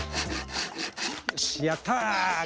よしやった！